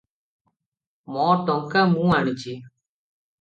ମୋ ଟଙ୍କା ମୁଁ ଆଣିଛି ।"